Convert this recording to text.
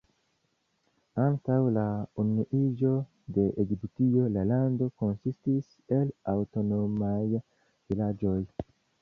Antaŭ la unuiĝo de Egiptio, la lando konsistis el aŭtonomaj vilaĝoj.